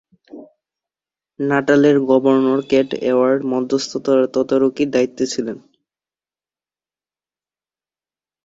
Natal এর governor Kate Award মধ্যস্থতার তদারকির দায়িত্বে ছিলেন।